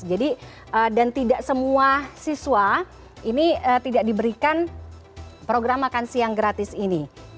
jadi dan tidak semua siswa ini tidak diberikan program makan siang gratis ini